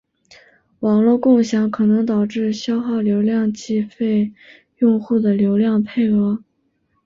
网络共享可能导致消耗流量计费用户的流量配额。